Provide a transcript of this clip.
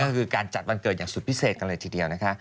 ก็คือการจัดวันเกิดอย่างสุดพิเศษกันเลยทีเดียวนะคะ